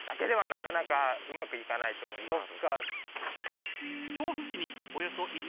なかなかうまくいかないと思います。